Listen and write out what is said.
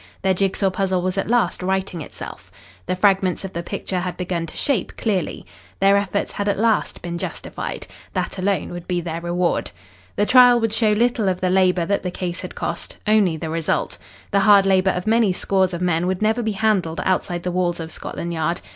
Their jigsaw puzzle was at last righting itself. The fragments of the picture had begun to shape clearly. Their efforts had at last been justified. That alone would be their reward. The trial would show little of the labour that the case had cost only the result. The hard labour of many scores of men would never be handled outside the walls of Scotland Yard.